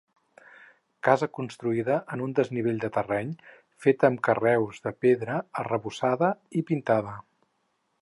Casa construïda en un desnivell del terreny, feta amb carreus de pedra, arrebossada i pintada.